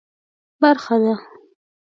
برخه ده.